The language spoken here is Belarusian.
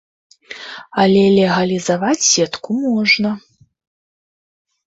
Але легалізаваць сетку можна.